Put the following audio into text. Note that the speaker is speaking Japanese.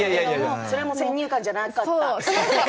それも先入観がなかった。